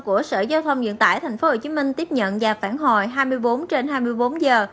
của sở giao thông vận tải tp hcm tiếp nhận và phản hồi hai mươi bốn trên hai mươi bốn giờ